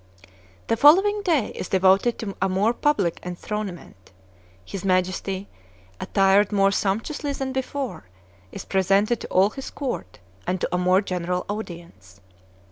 The following day is devoted to a more public enthronement. His Majesty, attired more sumptuously than before, is presented to all his court, and to a more general audience.